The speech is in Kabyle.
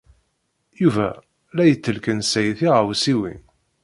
Yuba la yettelkensay tiɣawsiwin.